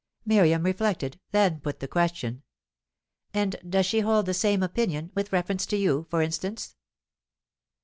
Miriam reflected; then put the question: "And does she hold the same opinion with reference to you, for instance?"